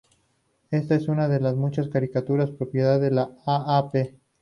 Ésta es una de las muchas caricaturas propiedad de la a.a.p.